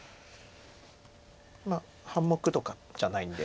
まあ半目とかじゃないんで。